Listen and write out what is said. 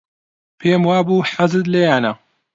پێم وابوو حەزت لێیانە.